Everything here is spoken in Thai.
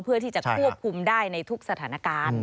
เพื่อที่จะควบคุมได้ในทุกสถานการณ์